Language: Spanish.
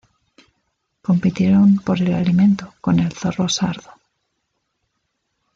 Compitieron por el alimento con el zorro sardo.